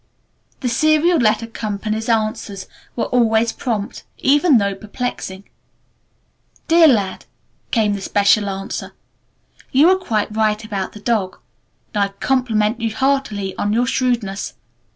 The Serial Letter Co.'s answers were always prompt, even though perplexing. "DEAR LAD," came this special answer. "You are quite right about the dog. And I compliment you heartily on your shrewdness.